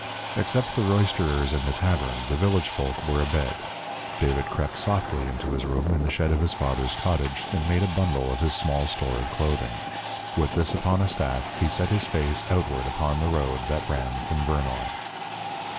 Except the roisterers in the tavern, the village folk were abed. David crept softly into his room in the shed of his father's cottage and made a bundle of his small store of clothing. With this upon a staff, he set his face outward upon the road that ran from Vernoy.